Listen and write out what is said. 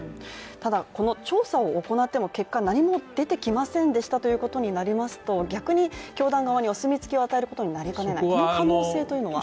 ただ、調査を行っても、結果何も出てきませんでしたということになりますと逆に教団側にお墨付きを与えかねない、そこの可能性は？